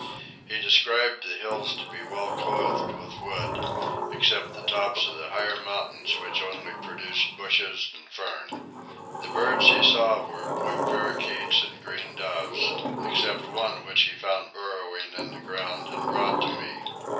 He described the hills to be well clothed with wood, except the tops of the higher mountains which only produced bushes and fern. The birds he saw were blue parakeets and green doves, except one which he found burrowing in the ground and brought to me.